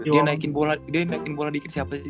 dia naikin bola dikit siapa yang nggak takut dia ngasip anjing